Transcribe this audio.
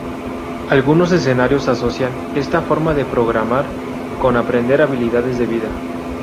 Algunos escenarios asocian "esta forma de programar" con aprender "habilidades de vida".